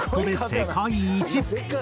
「世界一？」